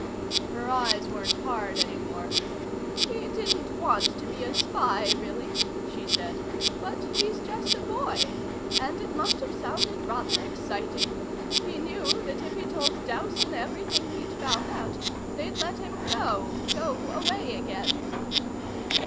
Her eyes weren't hard any more. "He didn't want to be a spy, really," she said, "but he's just a boy, and it must have sounded rather exciting. He knew that if he told Dowson everything he'd found out, they'd let him go go away again."